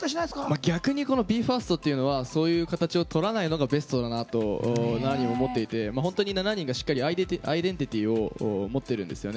逆にＢＥ：ＦＩＲＳＴというのはそういう形をとらないのがベストだなと思っていて本当に、７人がアイデンティティ持ってるんですよね。